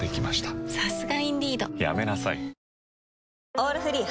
「オールフリー」